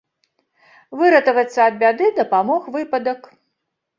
Выратавацца ад бяды дапамог выпадак.